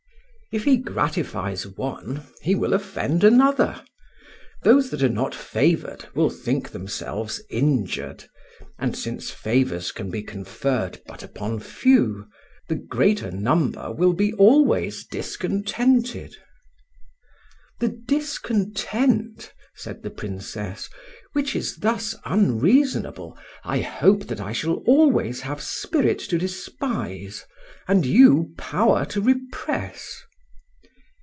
If he gratifies one he will offend another; those that are not favoured will think themselves injured, and since favours can be conferred but upon few the greater number will be always discontented." "The discontent," said the Princess, "which is thus unreasonable, I hope that I shall always have spirit to despise and you power to repress."